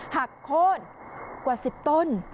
หักโค้นกว่า๑๐ต้น